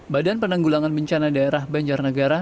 badan penanggulangan bencana daerah banjarnegara